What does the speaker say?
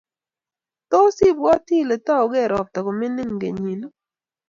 tos ibwoti ile tougei ropta komining kenyini?